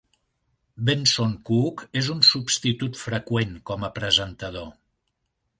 Benson Cook és un substitut freqüent com a presentador.